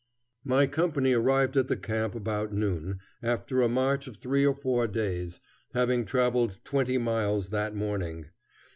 My company arrived at the camp about noon, after a march of three or four days, having traveled twenty miles that morning.